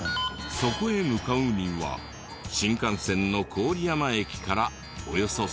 そこへ向かうには新幹線の郡山駅からおよそ３時間。